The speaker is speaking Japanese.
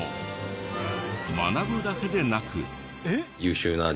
学ぶだけでなく。